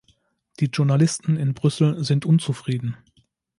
Die Journalisten in Brüssel sind unzufrieden.